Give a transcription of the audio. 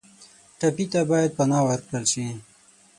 ټپي ته باید پناه ورکړل شي.